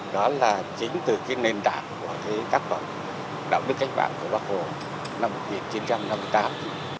đó là chính từ cái nền tảng của cái tác phẩm đạo đức cách mạng của bác hồ năm một nghìn chín trăm năm mươi tám